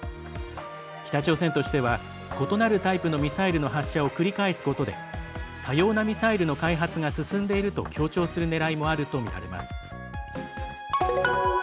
北朝鮮としては異なるタイプのミサイルの発射を繰り返すことで多様なミサイルの開発が進んでいると強調するねらいもあるとみられます。